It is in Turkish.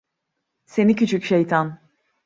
Seni küçük şeytan!